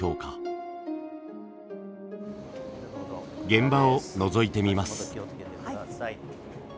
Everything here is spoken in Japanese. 現場をのぞいてみます。